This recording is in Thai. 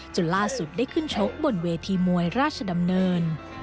จนล่าสุดได้ขึ้นชกบนเวทีมวยราชดำเนิน